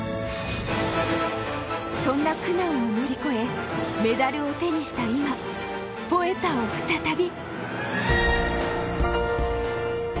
そんな苦難を乗り越えメダルを手にした今「ポエタ」を再び。